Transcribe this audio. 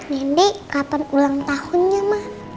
nindi kapan ulang tahunnya mah